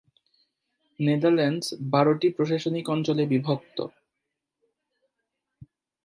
Netherlands বারটি প্রশাসনিক অঞ্চলে বিভক্ত।